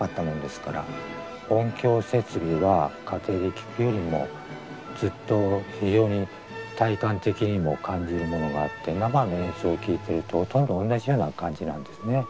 音響設備は家庭で聴くよりもずっと非常に体感的にも感じるものがあって生の演奏を聴いてるとほとんど同じような感じなんですね。